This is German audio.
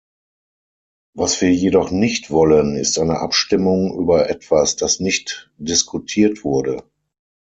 Was wir jedoch nicht wollen, ist eine Abstimmung über etwas, das nicht diskutiert wurde.